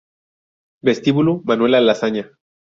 Vestíbulo Manuela Malasaña